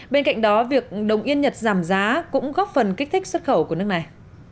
bên cạnh đó việc đồng yên nhật giảm giá cũng góp phần kích thích xuất khẩu của nước này